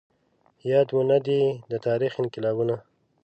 ياد مو نه دي د تاريخ انقلابونه